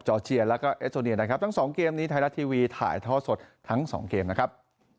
เชียร์แล้วก็เอสโตเนียนะครับทั้งสองเกมนี้ไทยรัฐทีวีถ่ายท่อสดทั้งสองเกมนะครับ